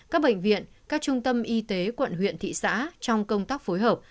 các bệnh viện các trung tâm y tế quận huyện thị xã trong công tác phối hợp